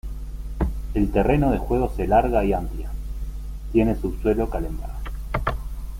El terreno de juego se larga y amplia, tiene sub-suelo calentar.